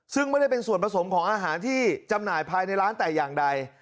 ซึ่งไม่ได้เป็นส่วนผสมของอาหารที่จำหน่ายภายในร้านแต่อย่างใด